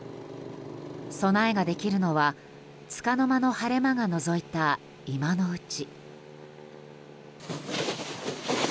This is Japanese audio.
備えができるのは、つかの間の晴れ間がのぞいた今のうち。